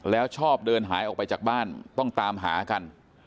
แล้วชอบเดินหายออกไปจากบ้านต้องตามหากัน